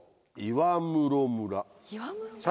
岩室村。